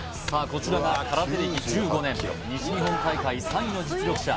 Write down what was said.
こちらが空手歴１５年西日本大会３位の実力者